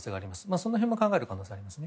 その辺も考える可能性はありますね。